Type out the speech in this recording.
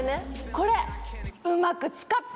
これ。